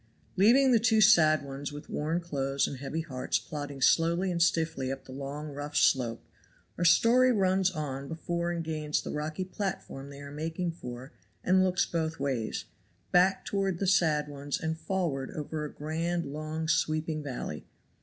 Leaving the two sad ones with worn clothes and heavy hearts plodding slowly and stiffly up the long rough slope, our story runs on before and gains the rocky platform they are making for and looks both ways back toward the sad ones and forward over a grand, long, sweeping valley.